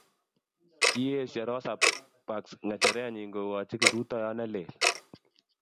kieiso Rosa Parks ng'echerenyin kokochi kiprutoyot neleel